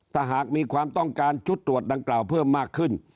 ถ้าหากมีความต้องการชุดตรวจดังกล่าวเพิ่มมากขึ้น